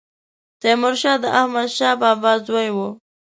تيمورشاه د احمدشاه بابا زوی و